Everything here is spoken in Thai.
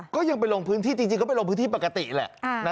ก็ยังไปลงพื้นที่จริงก็ไปลงพื้นที่ปกติแหละ